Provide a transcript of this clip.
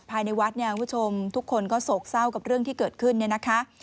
ภายในวัดเนี่ยคุณผู้ชมทุกคนก็โศกเศร้ากับเรื่องที่เกิดขึ้นเนี่ยนะคะ